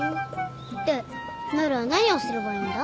でなるは何をすればいいんだ？